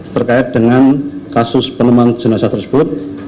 berkait dengan kasus penuman jenasa tersebut